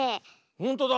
ほんとだ。